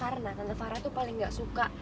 karena tante farah tuh paling gak suka